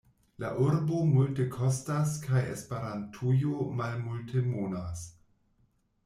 La urbo multekostas kaj Esperantujo malmultemonas.